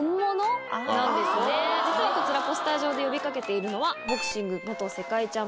実はこちらポスター上で呼びかけているのは。